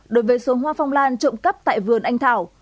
đối với số hoa phong lan trộm cắp tại vườn anh thảo